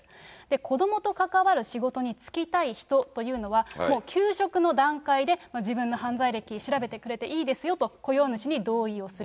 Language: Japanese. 子どもと関わる仕事に就きたい人というのは、もう求職の段階で自分の犯罪歴、調べてくれていいですよと、雇用主に同意をする。